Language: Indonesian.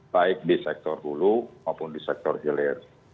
baik di sektor hulu maupun di sektor hilir